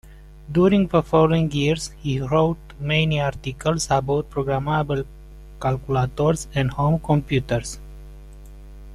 During the following years he wrote many articles about programmable calculators and home computers.